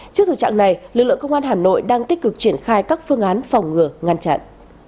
trước thực trạng này lực lượng công an hà nội đang tích cực triển khai các phương án phòng ngừa ngăn chặn